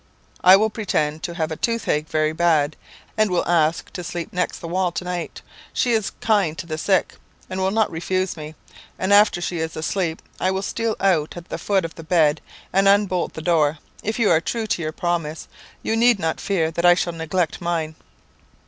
I will pretend to have the toothache very bad, and will ask to sleep next the wall to night. She is kind to the sick, and will not refuse me; and after she is asleep, I will steal out at the foot of the bed, and unbolt the door. If you are true to your promise, you need not fear that I shall neglect mine.'